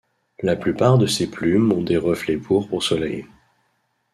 La plupart de ses plumes ont des reflets pourpres au soleil.